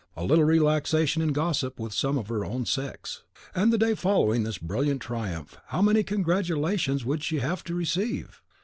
a little relaxation in gossip with some of her own sex. And the day following this brilliant triumph, how many congratulations would she have to receive!